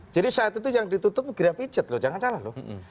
jadi saat itu yang ditutup griapijat loh jangan salah loh